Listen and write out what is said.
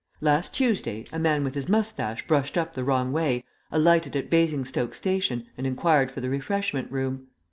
Last Tuesday a man with his moustache brushed up the wrong way alighted at Basingstoke station and enquired for the refreshment room.